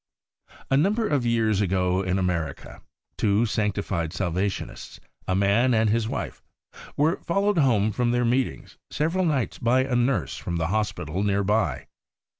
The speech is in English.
A number of years ago in America, two sanctified Salvationists, a man and his wife, were followed home from their Meetings several nights by a nurse from the hospital near by.